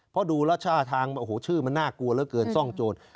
เพราะดูแล้วท่าทางโอ้โหชื่อมันน่ากลัวเหลือเกินซ่องโจร